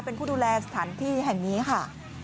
เป็นผู้ดูแลสถานที่แห่งนี้ค่ะ